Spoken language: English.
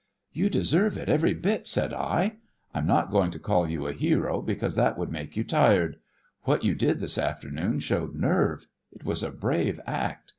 "You deserve it, every bit," said I. "I'm not going to call you a hero, because that would make you tired. What you did this afternoon showed nerve. It was a brave act.